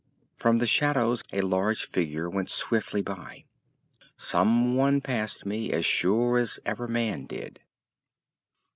From the shadows a large figure went swiftly by. Someone passed me, as sure as ever man did….